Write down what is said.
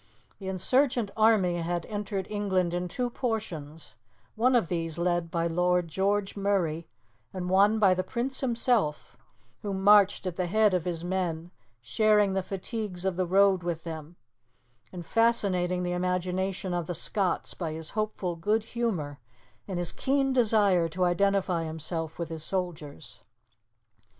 The insurgent army had entered England in two portions: one of these led by Lord George Murray, and one by the Prince himself, who marched at the head of his men, sharing the fatigues of the road with them, and fascinating the imagination of the Scots by his hopeful good humour and his keen desire to identify himself with his soldiers.